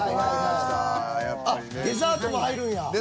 あっデザートも入るんや。